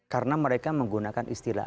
karena mereka menggunakan istilah